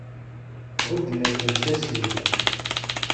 Hudden-am lsas-im.